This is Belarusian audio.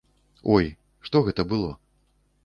Ой, што гэта было?